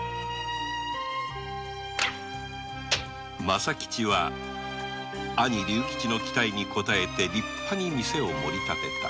政吉は兄・竜吉の期待にこたえて立派に店を盛り立てた。